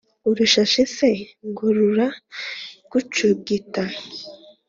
urishashi se ngo rura gucugita?"